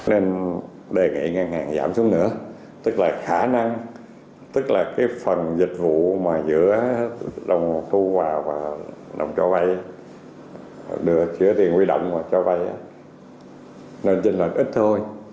nên đề nghị ngân hàng giảm xuống nữa tức là khả năng tức là cái phần dịch vụ mà giữa đồng thu vào và đồng cho vay giữa tiền quy động và cho vay nên chính là ít thôi